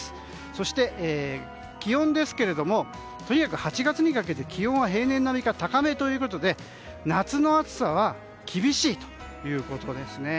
そして、気温ですがとにかく８月にかけて気温は平年並みか高めということで夏の暑さは厳しいということです。